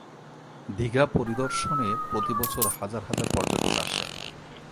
দীঘা পরিদর্শনে প্রতি বছর হাজার হাজার পর্যটক আসে।